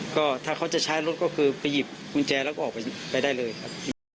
ก็ถ้าเขาจะใช้รถก็คือไปหยิบกุญแจแล้วก็ออกไปได้เลยครับ